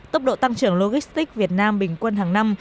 tốc độ tăng trưởng logistics việt nam bình quân hàng năm